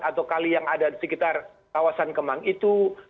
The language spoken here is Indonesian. atau kali yang ada di sekitar kawasan kemang itu